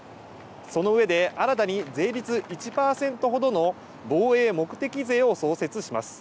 そのうえで新たに税率１％ほどの防衛目的税を創設します。